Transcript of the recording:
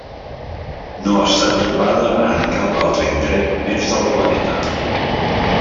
No ha estat trobada en cap altre indret més del planeta.